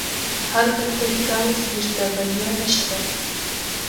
هر کلتوري ګام زموږ د بریا نښه ده.